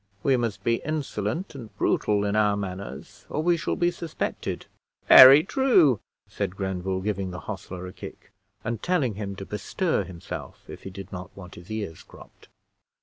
"We must be insolent and brutal in our manners, or we shall be suspected." "Very true," said Grenville, giving the hostler a kick, and telling him to bestir himself, if he did not want his ears cropped.